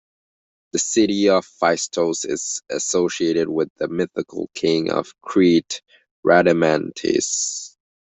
The city of Phaistos is associated with the mythical king of Crete Rhadamanthys.